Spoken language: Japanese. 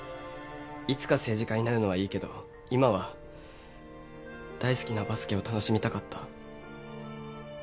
いつか政治家になるのはいいけど今は大好きなバスケを楽しみたかった。